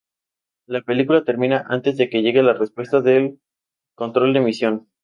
La película termina antes de que llegue la respuesta del control de misión.